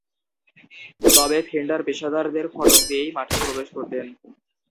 তবে, ফেন্ডার পেশাদারদের ফটক দিয়েই মাঠে প্রবেশ করতেন।